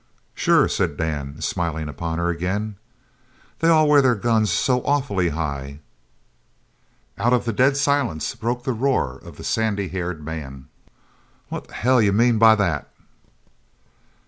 "Sure," said Dan, smiling upon her again, "they all wear their guns so awful high." Out of the dead silence broke the roar of the sandy haired man: "What'n hell d'you mean by that?"